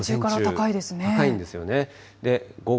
高いんですよね。